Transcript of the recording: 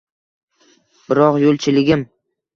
Biroq yulchiligim…